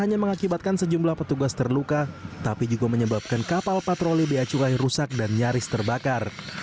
ini mengakibatkan sejumlah petugas terluka tapi juga menyebabkan kapal patroli di acu rai rusak dan nyaris terbakar